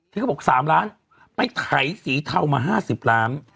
เขาบอก๓ล้านไปไถสีเทามา๕๐ล้าน